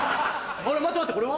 待って待ってこれは？